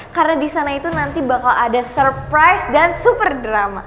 karena di sana itu nanti bakal ada surprise dan super drama